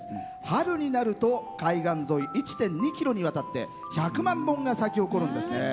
春になると海岸沿い１．２キロにわたって１００万本が咲き誇るんですね。